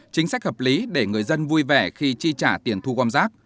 chính sách hợp lý để người dân vui vẻ khi chi trả tiền thu gom rác